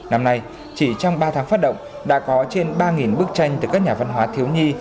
năm nay chỉ trong ba tháng phát động đã có trên ba bức tranh từ các nhà văn hóa thiếu nhi